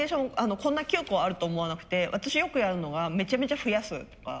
こんな９個あると思わなくて私よくやるのがめちゃめちゃ増やすとか。